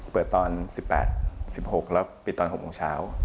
เปิดตอน๑๘๑๖แล้วปิดตอน๖โมงเช้า